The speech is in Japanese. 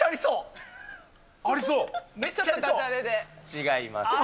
違いますね。